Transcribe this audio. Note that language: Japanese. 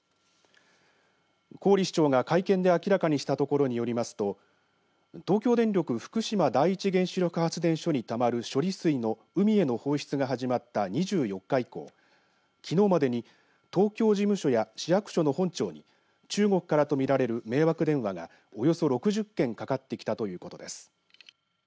郡市長が会見で明らかにしたところによりますと東京電力福島第一原子力発電所にたまる処理水の海への放出が始まった２４日以降きのうまでに東京事務所や市役所の本庁に中国からと見られる迷惑電話がおよそ６０件かかってきたということです。